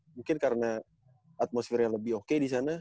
mungkin karena atmosfernya lebih oke di sana